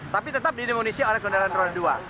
tapi tetap didemunisi oleh kendaraan roda dua